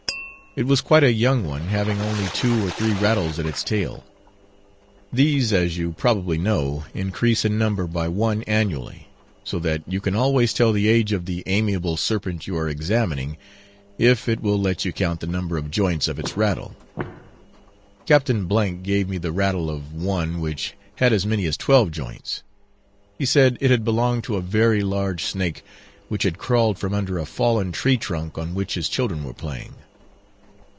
It was quite a young one, having only two or three rattles in its tail. These, as you probably know, increase in number by one annually; so that you can always tell the age of the amiable serpent you are examining if it will let you count the number of joints of its rattle. Captain F gave me the rattle of one which had as many as twelve joints. He said it had belonged to a very large snake which had crawled from under a fallen tree trunk on which his children were playing.